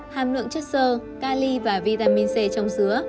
hàm lượng chất sơ ca ly và vitamin c trong dứa